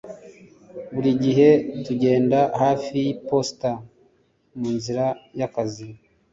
Buri gihe tugenda hafi yiposita munzira yakazi